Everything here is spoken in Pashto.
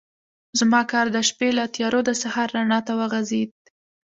زما کار د شپې له تیارو د سهار رڼا ته وغځېد.